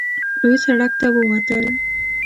لوی سړک ته ووتل.